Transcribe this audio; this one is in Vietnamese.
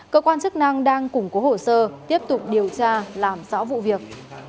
cơ quan chức năng đang củng cố hồ sơ tiếp tục điều tra làm rõ vụ việc